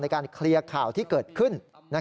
ในการเคลียร์ข่าวที่เกิดขึ้น